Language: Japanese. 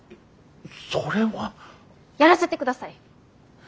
それは。やらせてください！